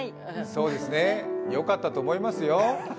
そうですね、よかったと思いますよ。